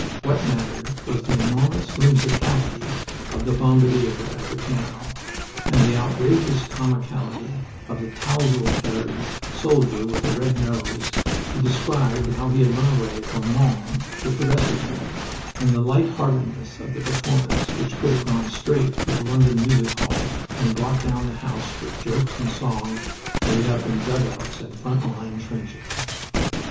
What mattered was the enormous whimsicality of the Bombardier at the piano, and the outrageous comicality of a tousle haired soldier with a red nose, who described how he had run away from Mons "with the rest of you," and the light heartedness of a performance which could have gone straight to a London music hall and brought down the house with jokes and songs made up in dugouts and front line trenches.